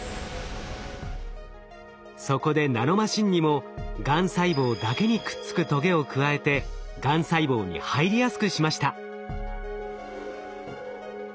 そこでナノマシンにもがん細胞だけにくっつくトゲを加えてがん細胞に入りやすくしました。